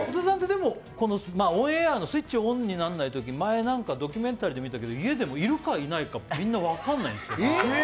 オンエアのスイッチオンにならないと、前ドキュメンタリーで見たけど、家でもいるか、いないか、分からないんですよ。